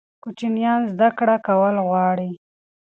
کوچنیان زده کړه کول غواړي.